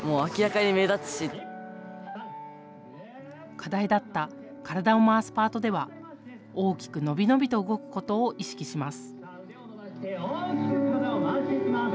課題だった体を回すパートでは大きく、のびのびと動くことを意識します。